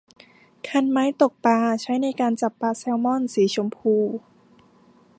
คันไม้ตกปลาใช้ในการจับปลาแซลมอนสีชมพู